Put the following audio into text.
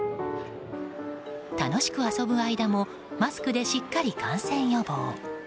楽しく遊ぶ間もマスクでしっかり感染予防。